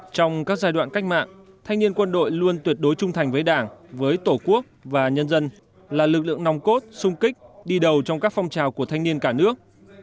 trong các giai đoạn cách mạng thanh niên quân đội luôn tuyệt đối trung thành với đảng với tổ quốc và nhân dân là lực lượng nòng cốt sung kích đi đầu trong các phong trào của thanh niên cả nước